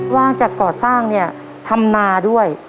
ว่างจากก่อสร้างเนี่ยทำนาด้วย